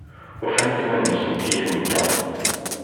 Ufant iman-nsent yid-nteɣ?